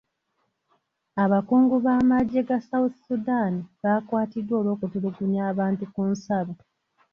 Abakungu b'amagye ga south Sudan baakwatiddwa olw'okutulugunya bantu ku nsalo.